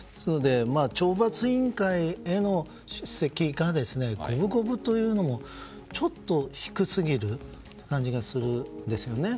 懲罰委員会への出席が五分五分というのもちょっと低すぎる感じがするんですよね。